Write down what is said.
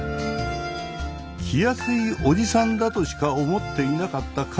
気安いおじさんだとしか思っていなかった